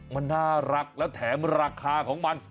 มันน่ารักแล้วแถมราคาของมัน